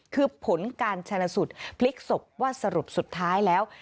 คือผลการชนะสูตรพลิกศพว่าสรุปสุดท้ายแล้ว